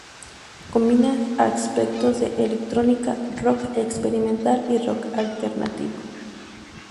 Combina aspectos de electrónica, rock experimental y rock alternativo.